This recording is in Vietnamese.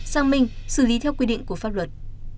sang minh xử lý theo quy định của pháp luật